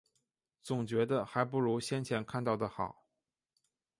总觉得还不如先前看到的好